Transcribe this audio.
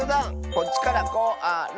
こっちから「こ・あ・ら」。